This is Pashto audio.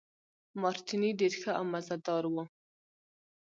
مارټیني ډېر ښه او مزه دار وو.